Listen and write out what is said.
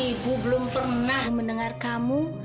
ibu belum pernah mendengar kamu